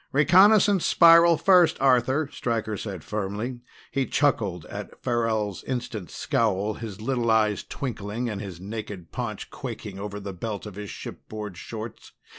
"Reconnaissance spiral first, Arthur," Stryker said firmly. He chuckled at Farrell's instant scowl, his little eyes twinkling and his naked paunch quaking over the belt of his shipboard shorts.